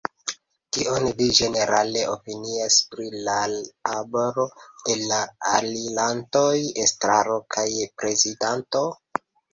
Kion vi ĝenerale opinias pri lal aboro de la elirantaj estraro kaj prezidanto?